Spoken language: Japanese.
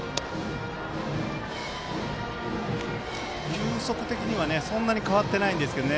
球速的にはそんなに変わってないんですよね。